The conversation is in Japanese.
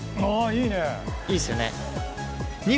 いいですよね。